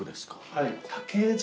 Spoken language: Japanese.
はい。